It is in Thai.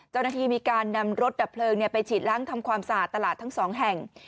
เจ้าหน้าที่มีการนำรถดับเพลิงไปฉีดล้างทำความสะอาดตลาดทั้งสองแห่ง